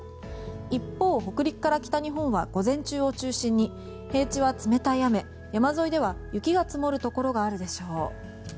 一方、北陸から北日本は午前中を中心に平地は冷たい雨山沿いでは雪が積もるところがあるでしょう。